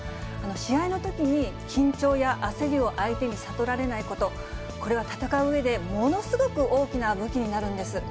試合のときに、緊張や焦りを相手に悟られないこと、これは戦ううえで、ものすごく大きな武器になるんです。